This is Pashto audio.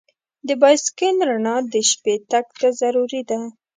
د بایسکل رڼا د شپې تګ ته ضروري ده.